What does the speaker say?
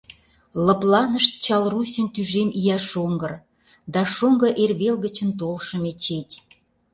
Лыпланышт чал Русьын тӱжем ияш оҥгыр Да шоҥго Эрвел гычын толшо мечеть.